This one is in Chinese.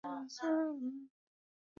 该症出现于月经周期的黄体期。